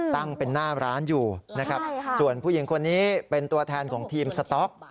ตั้งเป็นหน้าร้านอยู่นะครับส่วนผู้หญิงคนนี้เป็นตัวแทนของทีมสต๊อก